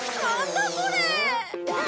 これ！